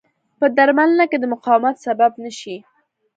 په درملنه کې د مقاومت سبب نه شي.